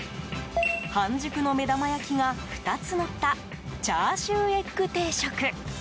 半熟の目玉焼きが２つのったチャーシューエッグ定食。